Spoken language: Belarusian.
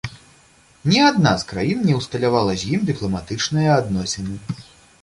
Ні адна з краін не ўсталявала з ім дыпламатычныя адносіны.